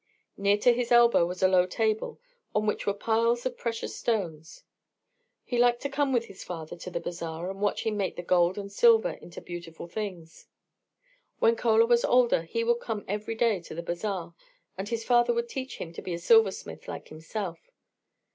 Near to his elbow was a low table on which were piles of precious stones. He liked to come with his father to the Bazaar and watch him make the gold and silver into beautiful things. When Chola was older he would come every day to the Bazaar, and his father would teach him to be a silversmith like himself.